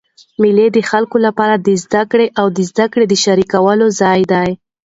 مېلې د خلکو له پاره د زدهکړي او زدهکړي شریکولو ځای دئ.